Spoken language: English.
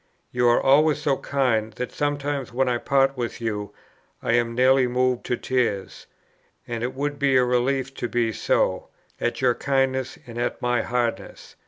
You are always so kind, that sometimes, when I part with you, I am nearly moved to tears, and it would be a relief to be so, at your kindness and at my hardness.